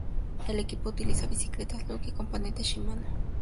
El equipo utiliza bicicletas Look y componentes Shimano.